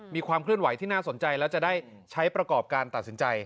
มีความเคลื่อนไหวที่น่าสนใจแล้วจะได้ใช้ประกอบการตัดสินใจ